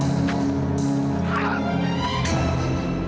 ke komando keluar